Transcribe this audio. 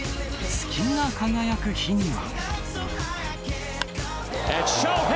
月が輝く日には。